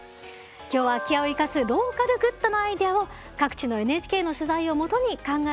今日は空き家を生かすローカルグッドのアイデアを各地のＮＨＫの取材をもとに考えていきます。